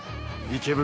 池袋